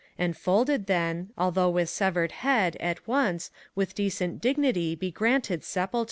And folded then, although with severed head, at once With decent dignity be granted sepulture!